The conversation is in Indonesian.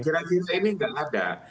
enggak ada gira gira ini enggak ada